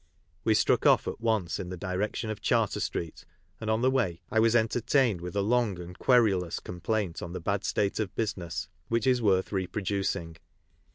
We struck off at once in the direction of Charter street, and on the way I was entertained with a long and^ querulous complaint on the bad state of " business " which is worth reproducing.